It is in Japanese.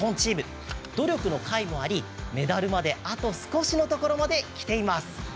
努力のかいもありメダルまであと少しのところまできています。